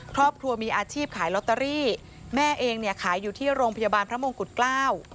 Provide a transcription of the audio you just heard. ครอบครัวมีอาชีพขายลอตเตอรี่แม่เองเนี่ยขายอยู่ที่โรงพยาบาลพระมงกุฎเกล้า